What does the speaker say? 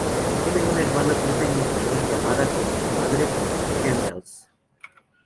Tiene una hermana tres años menor llamada como su madre, Candelas.